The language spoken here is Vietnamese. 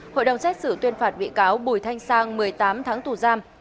hội đồng xét xử tuyên phạt bị cáo bùi thanh sang một mươi tám tháng tù giam